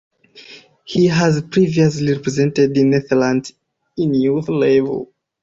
He has previously represented Netherlands in youth level.